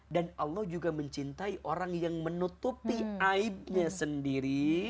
allah juga mencintai orang yang menutupi aibnya sendiri